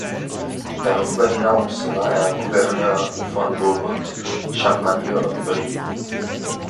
Darüber hinaus war er Gouverneur von Burgund, Champagne und Brie.